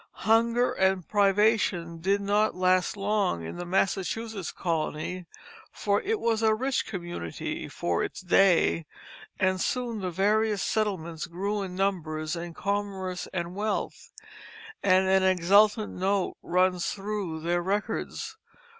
Hunger and privation did not last long in the Massachusetts colony, for it was a rich community for its day and soon the various settlements grew in numbers and commerce and wealth, and an exultant note runs through their records.